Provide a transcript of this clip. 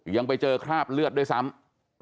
ยังไปเจอคราบเลือดด้วยซ้ำ